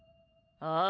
ああ。